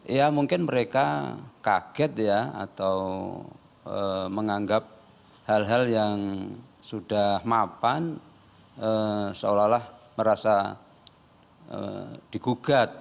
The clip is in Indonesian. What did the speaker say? ya mungkin mereka kaget ya atau menganggap hal hal yang sudah mapan seolah olah merasa digugat